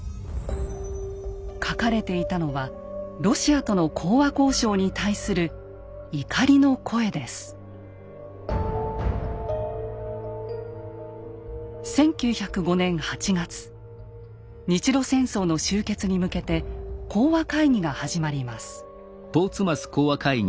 書かれていたのはロシアとの講和交渉に対する日露戦争の終結に向けて講和会議が始まります。